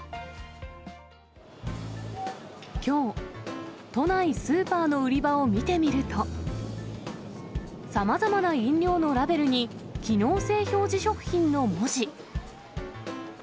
きょう、都内スーパーの売り場を見てみると、さまざまな飲料のラベルに、機能性表示食品の文字。